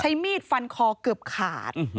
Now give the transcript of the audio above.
มีดฟันคอเกือบขาด